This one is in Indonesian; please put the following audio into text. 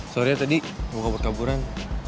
sorry ya tadi gue kabur kaburan